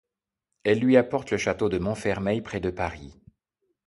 Elle lui apporte le château de Montfermeil, près de Paris.